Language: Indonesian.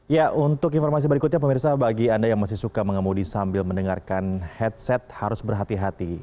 ya untuk informasi berikutnya pemirsa bagi anda yang masih suka mengemudi sambil mendengarkan headset harus berhati hati